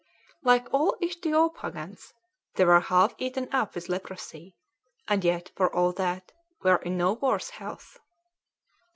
Like all Ichthyophagans, they were half eaten up with leprosy; and yet, for all that, were in no worse health.